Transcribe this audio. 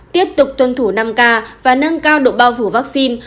tiếp tục tuân thủ năm k và nâng cao độ bao phủ vaccine